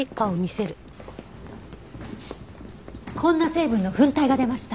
こんな成分の粉体が出ました。